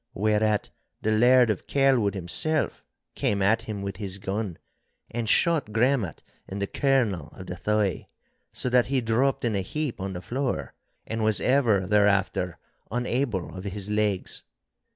Whereat the Laird of Kelwood himself came at him with his gun, and shot Gremmat in the kernel of the thigh, so that he dropped in a heap on the floor, and was ever thereafter unable of his legs.